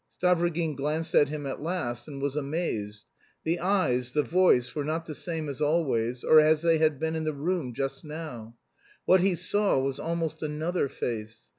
Stavrogin glanced at him at last, and was amazed. The eyes, the voice, were not the same as always, or as they had been in the room just now. What he saw was almost another face.